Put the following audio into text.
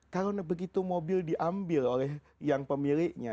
kalau begitu mobil diambil oleh yang pemiliknya